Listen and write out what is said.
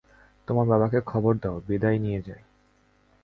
তোমার বাবাকে খবর দাও, বিদেয় নিয়ে যাই।